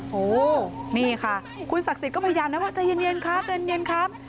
โหนี่ค่ะคุณศักดิ์สิทธิ์ก็พยายามนะว่าใจเย็นครับเดินเย็นครับ